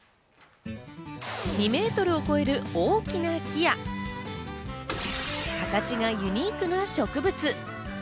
２メートルを超える大きな木や、形がユニークな植物。